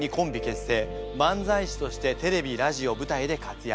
漫才師としてテレビラジオ舞台で活躍。